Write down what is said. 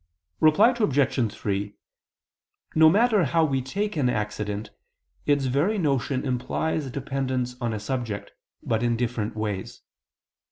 Reply Obj. 3: No matter how we take an accident, its very notion implies dependence on a subject, but in different ways.